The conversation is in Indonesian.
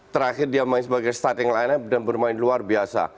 terakhir dia main sebagai starting line dan bermain luar biasa